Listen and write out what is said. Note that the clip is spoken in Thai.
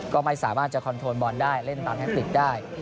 ก็ไม่สามารถจะคอนโทรลบอลได้เล่นตามแทคติกได้